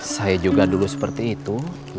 saya juga dulu seperti itu